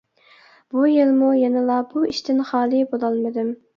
بۇ يىلمۇ يەنىلا بۇ ئىشتىن خالى بولالمىدىم.